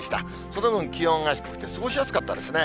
その分気温が低くて過ごしやすかったですね。